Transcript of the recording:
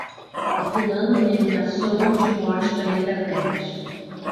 O fulano me ameaçou de morte pela internet